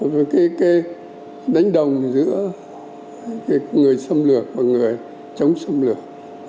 với cái đánh đồng giữa người xâm lược và người chống xâm lược